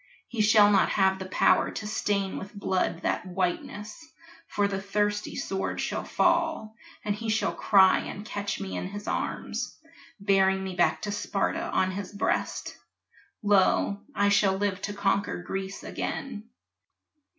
He shall not have the power to stain with blood That whiteness for the thirsty sword shall fall And he shall cry and catch me in his arms, Bearing me back to Sparta on his breast. Lo, I shall live to conquer Greece again!